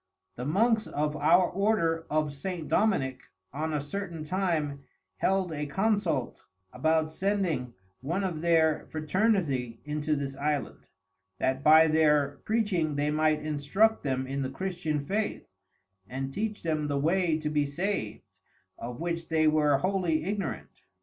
The Monks of our Order of St. Dominic on a certain time held a Consult about sending one of their Fraternity into this Island, that by their Preaching they might instruct them in the Christian Faith, and teach them the way to be sav'd, of which they were wholly Ignorant.